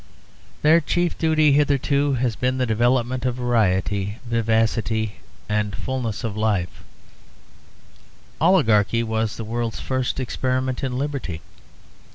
Their chief duty hitherto has been the development of variety, vivacity, and fulness of life; oligarchy was the world's first experiment in liberty.